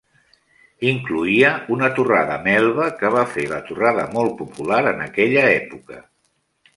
Incloïa una torrada Melba, que va fer la torrada molt popular en aquella època.